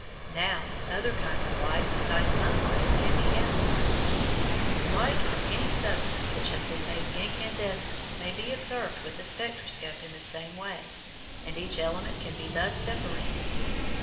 Now, other kinds of light besides sunlight can be analysed. Light from any substance which has been made incandescent may be observed with the spectroscope in the same way, and each element can be thus separated.